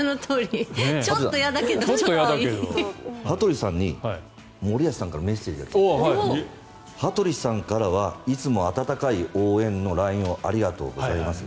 羽鳥さんに森保さんからメッセージが来ていて羽鳥さんからはいつも温かい応援のＬＩＮＥをありがとうございます。